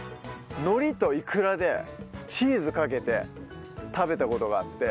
のりとイクラでチーズかけて食べた事があって。